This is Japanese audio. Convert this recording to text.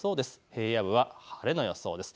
平野部は晴れの予想です。